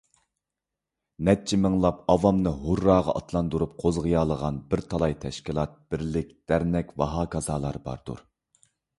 نەچچە مىڭلاپ ئاۋامنى ھۇرراغا ئاتلاندۇرۇپ قوزغىيالىغان بىر تالاي تەشكىلات، بىرلىك، دەرنەك ۋەھاكازالار باردۇر.